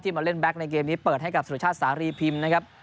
มาเล่นแก๊กในเกมนี้เปิดให้กับสุรชาติสารีพิมพ์นะครับ